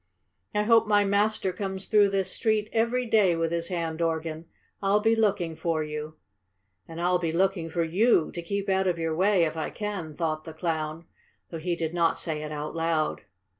"I hope my master comes through this street every day with his hand organ. I'll be looking for you." "And I'll be looking for you to keep out of your way, if I can," thought the Clown, though he did not say it out loud.